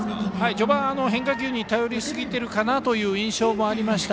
序盤、変化球に頼りすぎてるかなという印象もありました。